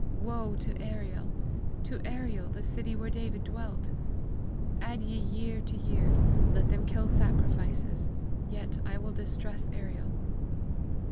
"Woe to Ariel, to Ariel, the city where David dwelt! Add ye year to year; let them kill sacrifices; yet I will distress Ariel."